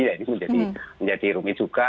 ya ini menjadi rumit juga